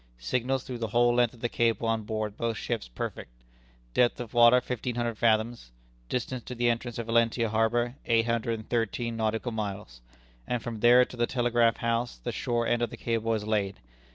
Signals through the whole length of the cable on board both ships perfect. Depth of water fifteen hundred fathoms; distance to the entrance of Valentia harbor eight hundred and thirteen nautical miles, and from there to the telegraph house the shore end of the cable is laid.